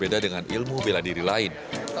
beda dengan ilmu bela diri lain